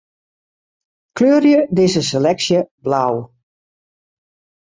Kleurje dizze seleksje blau.